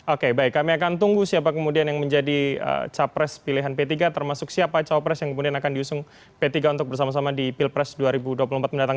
oke baik kami akan tunggu siapa kemudian yang menjadi capres pilihan p tiga termasuk siapa cawapres yang kemudian akan diusung p tiga untuk bersama sama di pilpres dua ribu dua puluh empat mendatang